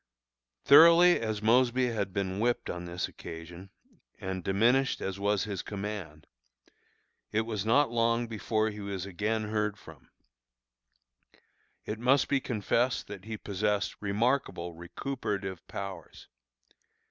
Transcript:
Thoroughly as Mosby had been whipped on this occasion, and diminished as was his command, it was not long before he was again heard from. It must be confessed that he possessed remarkable recuperative powers.